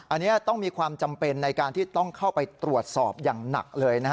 อันนี้ต้องมีความจำเป็นในการที่ต้องเข้าไปตรวจสอบอย่างหนักเลยนะฮะ